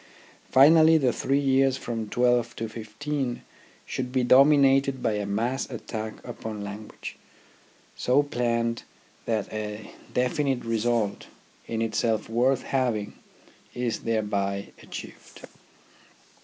Finally, the three years from twelve to fifteen should be dominated by a mass attack upon language, so planned that a definite result, in itself worth having, is thereby achieved.